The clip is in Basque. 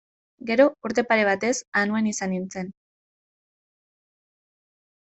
Gero, urte pare batez Anuen izan nintzen.